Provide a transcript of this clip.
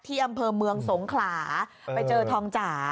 ที่อำเภอเมืองสงขลาไปเจอทองจ๋า